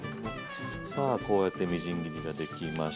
さあこうやってみじん切りが出来ました。